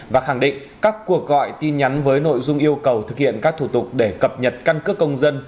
và khẳng định các cuộc gọi tin nhắn với nội dung yêu cầu thực hiện các thủ tục để cập nhật căn cước công dân